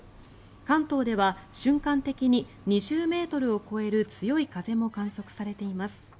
関東では瞬間的に２０ｍを超える強い風も観測されています。